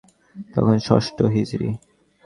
তখন ষষ্ঠ হিজরী।